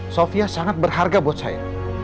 sofia sangat berharga buat saya